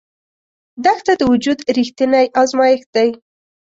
دښته د وجود رښتینی ازمېښت دی.